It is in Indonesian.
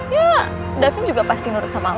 ya davin juga pasti nurut sama lo